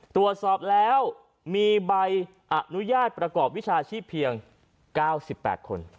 ตรวจสอบแล้วมีใบอนุญาตประกอบวิชาชีพเพียง๙๘คน